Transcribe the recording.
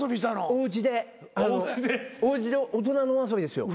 おうちで大人のお遊びですよ。